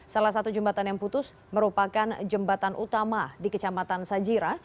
salah satu jembatan yang putus merupakan jembatan utama di kecamatan sajira